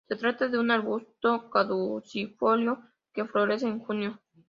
Se trata de un arbusto caducifolio que florece en junio.